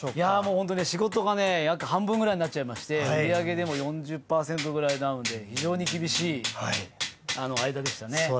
本当に仕事がね、約半分ぐらいになっちゃいまして、売り上げでも４０％ぐらいのダウンで、非常に厳しい間でしたね。